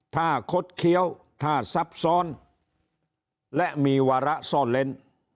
ถ้าคดเคี้ยวถ้าซับซ้อนและมีวาระซ่อนเล้น